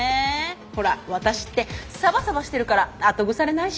ほらワタシってサバサバしてるから後腐れないし。